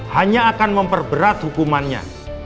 hanya akan memperberat hukumannya